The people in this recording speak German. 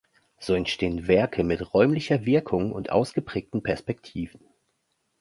So entstehen Werke mit räumlicher Wirkung und ausgeprägten Perspektiven.